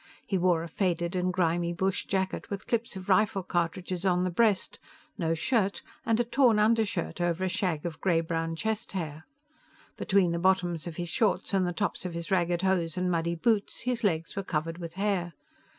He wore a faded and grimy bush jacket with clips of rifle cartridges on the breast, no shirt and a torn undershirt over a shag of gray brown chest hair. Between the bottoms of his shorts and the tops of his ragged hose and muddy boots, his legs were covered with hair.